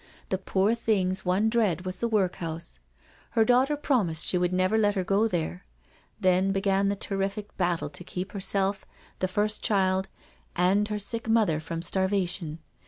The poor thing's one dread was the workhouse; her daughter promised she would never CANTERBURY TALES 121 let her go there. Then began the terrific battle to keep herself, the first child, and her sick mother from starvation.